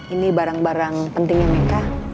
ini barang barang pentingnya mereka